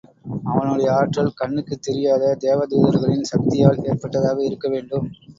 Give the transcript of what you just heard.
அவனுடைய ஆற்றல் கண்ணுக்குத் தெரியாத தேவதூதர்களின் சக்தியால் ஏற்பட்டதாக இருக்க வேண்டும்.